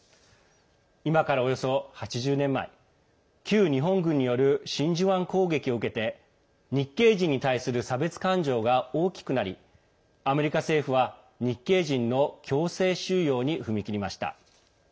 今から、およそ８０年前旧日本軍による真珠湾攻撃を受けて日系人に対する差別感情が大きくなりアメリカ政府は、日系人の強制収容に踏み切りました。